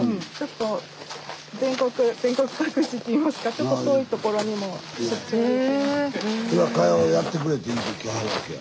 ちょっと遠いところにもそれはかやをやってくれっていうて来はるわけや。